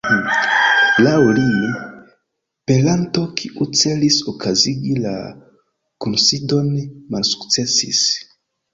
Laŭ li, peranto kiu celis okazigi la kunsidon malsukcesis.